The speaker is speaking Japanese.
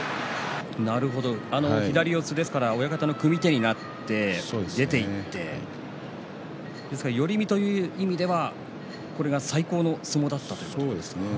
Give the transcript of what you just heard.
左四つですから親方の組み手になって出ていって寄り身という意味ではこれが最高の相撲だったということですか？